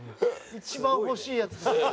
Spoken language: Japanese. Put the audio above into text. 一番欲しいやつです。